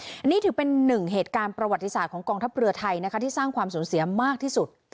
อันนี้ถือเป็นหนึ่งเหตุการณ์ประวัติศาสตร์ของกองทัพเรือไทยนะคะที่สร้างความสูญเสียมากที่สุด